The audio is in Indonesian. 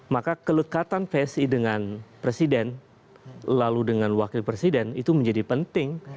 maka kelekatan psi dengan presiden lalu dengan wakil presiden itu menjadi penting